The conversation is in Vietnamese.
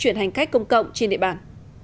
chuyển hành khách công cộng trên địa bàn